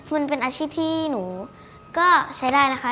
มันเป็นอาชีพที่หนูก็ใช้ได้นะคะ